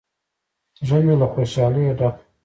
زړه مې له خوشالۍ ډک و.